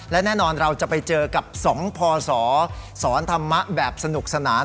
และแน่นอนเราจะไปเจอกับ๒พศสอนธรรมะแบบสนุกสนาน